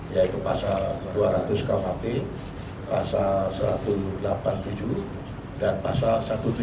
yaitu pasal dua ratus khp pasal satu ratus delapan puluh tujuh dan pasal satu ratus tujuh puluh